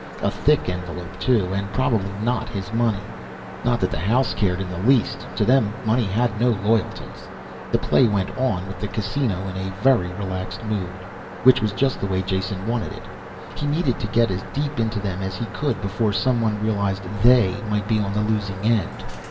A thick envelope too, and probably not his money. Not that the house cared in the least. To them money had no loyalties. The play went on with the Casino in a very relaxed mood. Which was just the way Jason wanted it. He needed to get as deep into them as he could before someone realized they might be on the losing end.